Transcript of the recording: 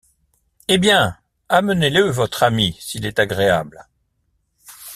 Eh bien! amenez-le votre ami, s’il est agréable.